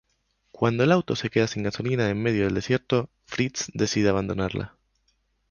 Cuando el auto se queda sin gasolina en medio del desierto, Fritz decide abandonarla.